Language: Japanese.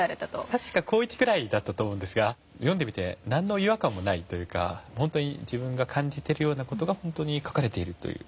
確か高１くらいだったと思うんですが読んでみて何の違和感もないというか自分が感じてるような事が本当に書かれているという。